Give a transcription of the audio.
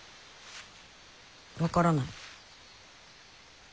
分からない。